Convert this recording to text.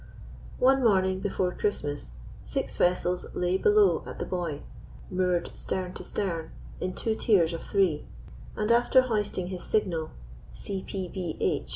One morning before Christmas six vessels lay below at the buoy, moored stem to stem in two tiers of three; and, after hoisting his signal (C.